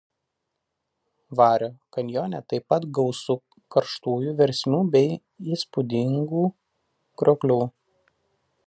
Vario kanjone taip pat gausu karštųjų versmių bei įspūdingų krioklių.